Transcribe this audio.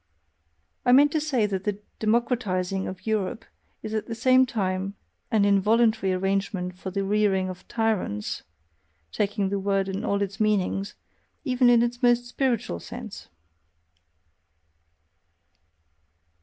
I meant to say that the democratising of Europe is at the same time an involuntary arrangement for the rearing of TYRANTS taking the word in all its meanings, even in its most spiritual sense.